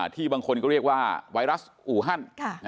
ที่บางคนก็เรียกว่าไวรัสอูฮัน